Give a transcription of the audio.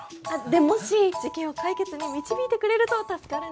でもし事件を解決に導いてくれると助かるんですけど。